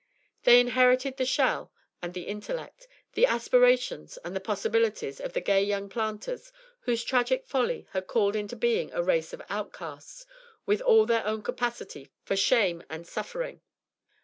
They inherited the shell and the intellect, the aspirations and the possibilities of the gay young planters whose tragic folly had called into being a race of outcasts with all their own capacity for shame and suffering.